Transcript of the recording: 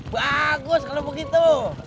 bagus kalau begitu